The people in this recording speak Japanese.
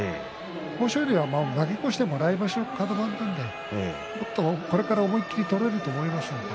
豊昇龍は負け越しても来場所カド番なのでこれから思い切り取れると思います。